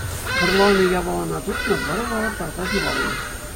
Вӑрланӑ япалана тупнӑ, вӑрӑ вара тарса ҫухалнӑ.